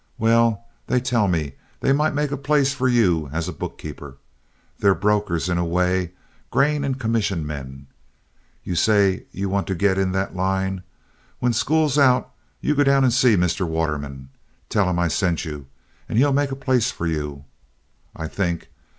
"Well, they tell me they might make a place for you as a bookkeeper. They're brokers in a way—grain and commission men. You say you want to get in that line. When school's out, you go down and see Mr. Waterman—tell him I sent you, and he'll make a place for you, I think.